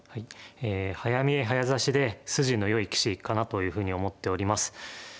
え早見え早指しで筋のよい棋士かなというふうに思っております。